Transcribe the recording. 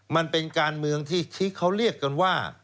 มันเป็นการเมืองที่เขาเรียกกันว่า